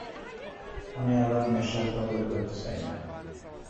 আমি আবার নেশার কবলে পড়তে চাই না।